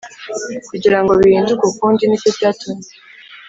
kugira ngo bihinduke ukundi Ni cyo cyatumye